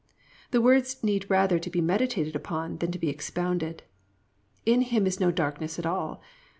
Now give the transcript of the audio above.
The words need rather to be meditated upon than to be expounded. +"In Him is no darkness at all."